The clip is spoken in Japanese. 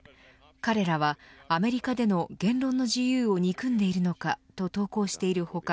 彼らはアメリカでの言論の自由を憎んでいるのかと投稿している他